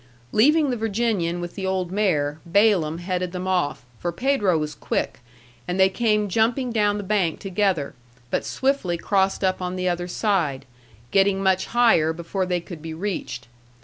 Leaving the Virginian with the old mare, Balaam headed them off, for Pedro was quick, and they came jumping down the bank together, but swiftly crossed up on the other side, getting much higher before they could be reached.